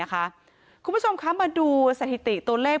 คุณผู้ชมคะมาดูสถิติตัวเลข